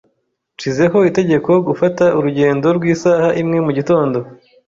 Nshizeho itegeko gufata urugendo rw'isaha imwe mugitondo.